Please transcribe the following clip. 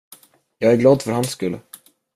Jag är glad för hans skull.